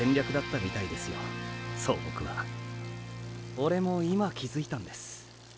オレも今気付いたんです。